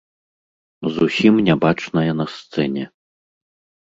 Зусім не бачная на сцэне.